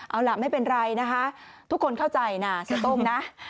เอาล่ะไม่เป็นไรนะคะทุกคนเข้าใจนะเสียโต้งนะ